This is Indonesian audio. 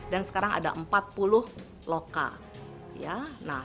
dan sekarang ada empat puluh loka